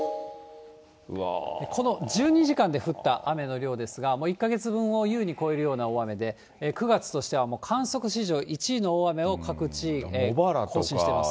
この１２時間で降った雨の量ですが、１か月分を優に超えるような大雨で、９月としては観測史上１位の大雨を各地域で更新しています。